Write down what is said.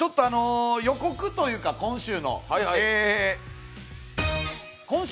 予告というか今週の。